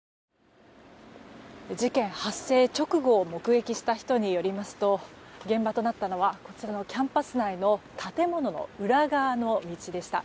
事件発生直後を目撃した人によりますと現場となったのはこちらのキャンパス内の建物の裏側の道でした。